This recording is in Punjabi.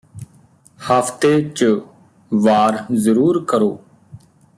ਹਫਤੇ ਚ ਵਾਰ ਜ਼ਰੂਰ ਕਰੋ